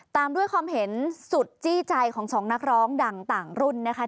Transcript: ตามด้วยความเห็นสุดจี้ใจของสองนักร้องดังต่างรุ่นนะคะ